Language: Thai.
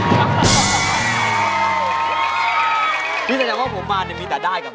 มีแต่ได้กับได้